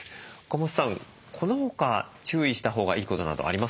岡本さんこの他注意したほうがいいことなどありますか？